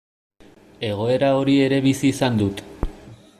Egoera hori ere bizi izan dut.